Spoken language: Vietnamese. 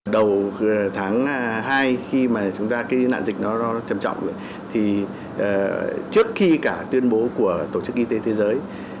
đầu tháng hai khi nạn dịch nó trầm trọng trước khi cả tuyên bố của tổ chức y tế thế giới